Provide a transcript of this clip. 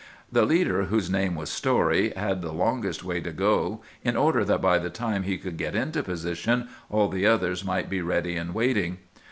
The leader, whose name was Story, had the longest way to go, in order that by the time he could get into position all the others might be ready and waiting.